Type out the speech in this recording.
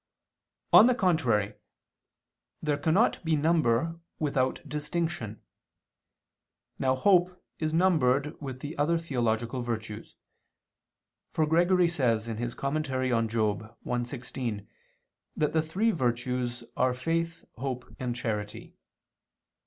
On the contrary, There cannot be number without distinction. Now hope is numbered with the other theological virtues: for Gregory says (Moral. i, 16) that the three virtues are faith, hope, and charity.